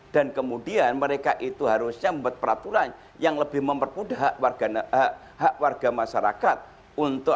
dan kemudian mereka itu harusnya membuat peraturan yang lebih mempermudah hak warga masyarakat untuk